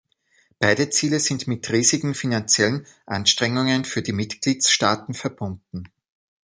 Beide Ziele sind mit riesigen finanziellen Anstrengungen für die Mitgliedstaaten verbunden.